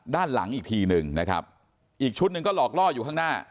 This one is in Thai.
ด้านหลังอีกทีหนึ่งนะครับอีกชุดหนึ่งก็หลอกล่ออยู่ข้างหน้า